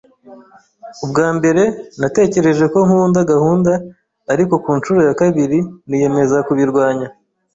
Ubwa mbere natekereje ko nkunda gahunda, ariko ku ncuro ya kabiri niyemeza kubirwanya.